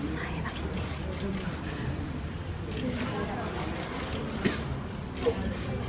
มันบอกว่าพี่ไหนอะ